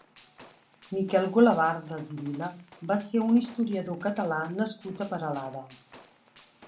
Miquel Golobardes i Vila va ser un historiador Català nascut a Peralada.